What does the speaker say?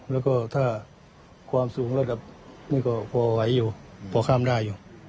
แล้วก็ถ้าความสูงระดับนี่ก็พอไหวอยู่พอข้ามได้อยู่